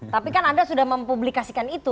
tapi kan anda sudah mempublikasikan itu